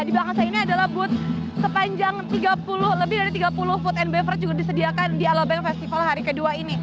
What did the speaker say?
di belakang saya ini adalah booth sepanjang tiga puluh lebih dari tiga puluh food and bever juga disediakan di aloe bank festival hari kedua ini